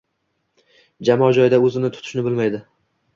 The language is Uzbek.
Jamoa joyida oʻzini tutishni bilmaydi